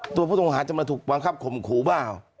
ตัวผู้ต้องฮาลจะมาถูกวางคาบขมขูว่ะ